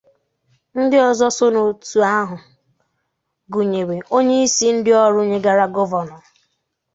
Ndị ọzọ so n'òtù ahụ gụnyèrè onyeisi ndị ọrụ nyegara Gọvanọ